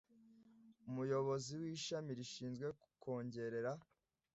umuyobozi w ishami rishinzwe kongerera